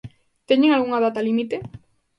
Teñen algunha data límite?